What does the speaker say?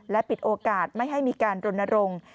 และปิดโอกาสไม่ให้มีการดนรง